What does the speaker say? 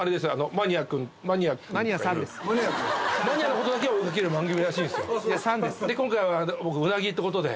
マニアのことだけを追いかける番組らしいんですよで